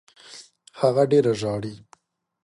هغه ډېره ژاړي.